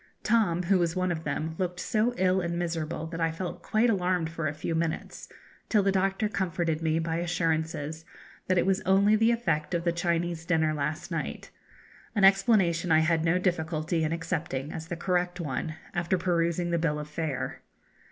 Tom, who was one of them, looked so ill and miserable that I felt quite alarmed for a few minutes, till the doctor comforted me by assurances that it was only the effect of the Chinese dinner last night an explanation I had no difficulty in accepting as the correct one after perusing the bill of fare.